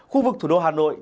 khu vực thủ đô hà nội